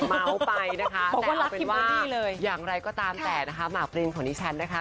เมาส์ไปนะคะแต่เอาเป็นว่าอย่างไรก็ตามแต่นะคะหมากปรินของดิฉันนะคะ